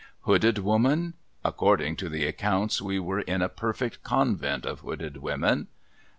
Hooded woman ? According to the accounts, we were in a perfect Convent of hooded women.